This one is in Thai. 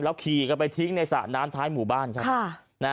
แล้วขี่กันไปทิ้งในสระน้ำท้ายหมู่บ้าน